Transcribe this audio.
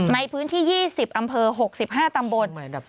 ในพื้นที่๒๐อำเภอ๖๕ตำบล